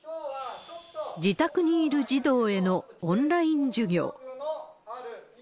自宅にいる児童へのオンライン授業。